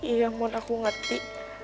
ya mohon aku ngerti